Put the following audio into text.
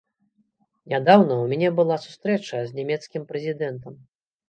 Нядаўна ў мяне была сустрэча з нямецкім прэзідэнтам.